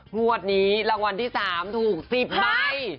งวดนี้รางวัลที่๓ถูก๑๐ใบ